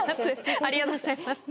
ありがとうございます。